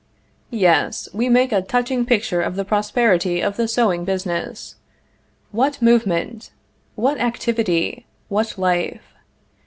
Yes, we make a touching picture of the prosperity of the sewing business. What movement! What activity! What life!